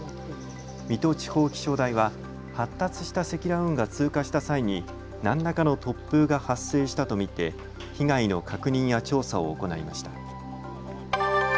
水戸地方気象台は発達した積乱雲が通過した際に何らかの突風が発生したと見て被害の確認や調査を行いました。